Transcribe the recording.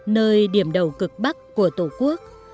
nơi điểm đầu cực bắc của tổ quốc